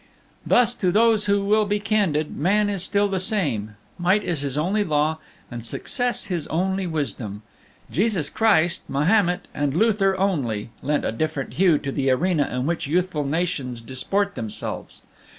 "Thus, to those who will be candid, man is still the same; might is his only law, and success his only wisdom. "Jesus Christ, Mahomet, and Luther only lent a different hue to the arena in which youthful nations disport themselves.